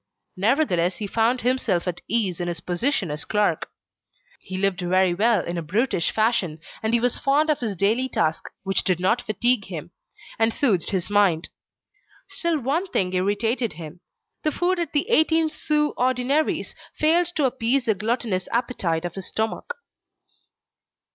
Nevertheless he found himself at ease in his position as clerk; he lived very well in a brutish fashion, and he was fond of this daily task, which did not fatigue him, and soothed his mind. Still one thing irritated him: the food at the eighteen sous ordinaries failed to appease the gluttonous appetite of his stomach.